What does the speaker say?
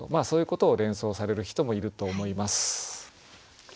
そういうことを連想される人もいると思います。